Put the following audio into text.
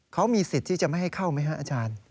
เขามีสิทธิ์ที่จะไม่ให้เข้าไหมฮะอาจารย์